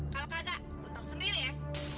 kalau kagak lo tahu sendiri ya